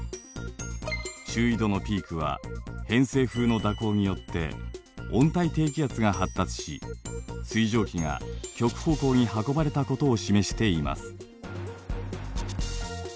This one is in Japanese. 中緯度のピークは偏西風の蛇行によって温帯低気圧が発達し水蒸気が極方向に運ばれたことを示しています。